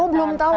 oh belum tahu